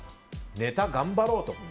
ネタ頑張ろうと。